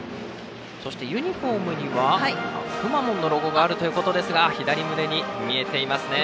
そしてユニフォームにはくまモンのロゴがあるということですが左胸に見えていますね。